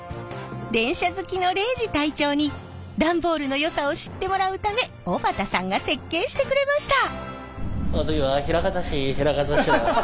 電車好きの礼二隊長に段ボールのよさを知ってもらうため小畑さんが設計してくれました。